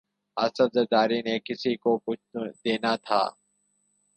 آصف زرداری نے کسی کو کچھ دینا تھا۔